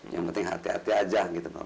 yang penting hati hati aja gitu